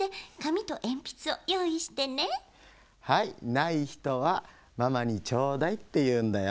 ないひとはママに「ちょうだい」っていうんだよ。